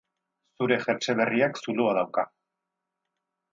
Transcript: Zure jertse berriak zuloa dauka.